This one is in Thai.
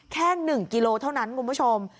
แค่๑กิโลเท่านั้นคุณผู้ชม